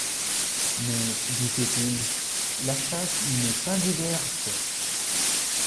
Mais, disait-il, la chasse n’est pas ouverte.